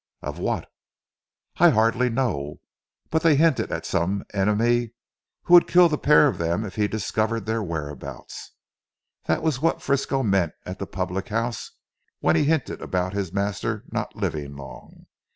"Of what?" "I hardly know. But they hinted at some enemy who would kill the pair of them if he discovered their whereabouts. That was what Frisco meant at the public house, when he hinted about his master not living long.